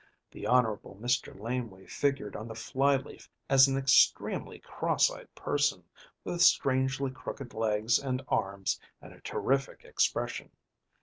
The Honorable Mr. Laneway figured on the flyleaf as an extremely cross eyed person, with strangely crooked legs and arms and a terrific expression.